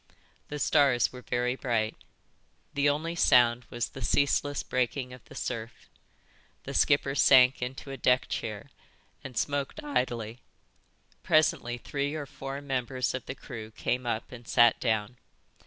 The stars were very bright. The only sound was the ceaseless breaking of the surf. The skipper sank into a deck chair and smoked idly. Presently three or four members of the crew came up and sat down.